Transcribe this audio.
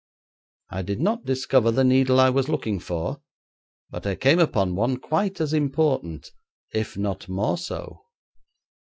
I did not discover the needle I was looking for, but I came upon one quite as important, if not more so.